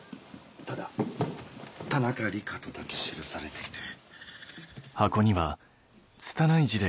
ただ「田中梨花」とだけ記されていて。